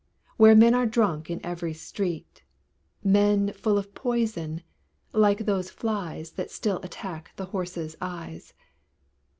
Where men are drunk in every street; Men full of poison, like those flies That still attack the horses' eyes.